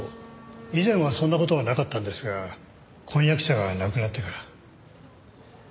以前はそんな事はなかったんですが婚約者が亡くなってから。